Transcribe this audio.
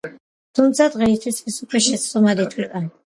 თუმცა დღეისთვის ეს უკვე შეცდომად ითვლება.